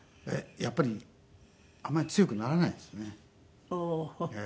やっぱりあんまり強くならないんですね。